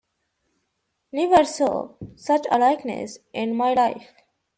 Never saw such a likeness in my life!